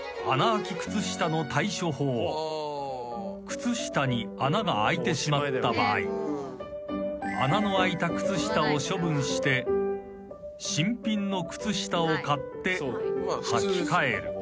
［靴下に穴が開いてしまった場合穴の開いた靴下を処分して新品の靴下を買ってはき替える］